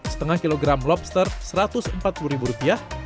setengah kilogram lobster satu ratus empat puluh ribu rupiah